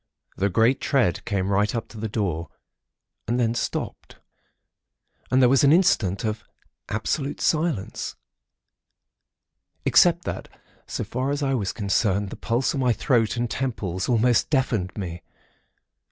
The great tread came right up to the door and then stopped, and there was an instant of absolute silence, except that, so far as I was concerned, the pulse in my throat and temples almost deafened me.